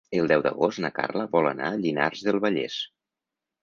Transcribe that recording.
El deu d'agost na Carla vol anar a Llinars del Vallès.